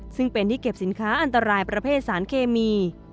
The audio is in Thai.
ซึ่งเป็นที่เก็บสินค้าอันตรายประเภทสารเคมี